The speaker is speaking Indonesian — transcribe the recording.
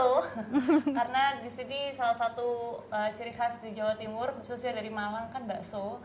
karena di sini salah satu ciri khas di jawa timur khususnya dari malang kan bakso